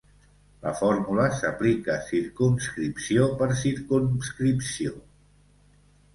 La fórmula s'aplica circumscripció per circumscripció.